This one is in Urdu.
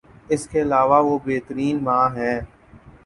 اس کے علاوہ وہ بہترین ماں ہیں